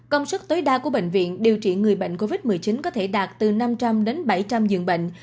công suất tối đa của bệnh viện điều trị người bệnh covid một mươi chín có thể đạt từ năm trăm linh đến bảy trăm linh giường bệnh